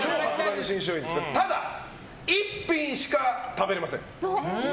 ただ、１品しか食べれません。